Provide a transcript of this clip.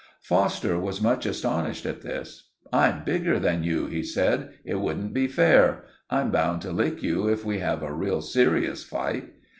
Foster was much astonished at this. "I'm bigger than you," he said. "It wouldn't be fair. I'm bound to lick you if we have a real serious fight."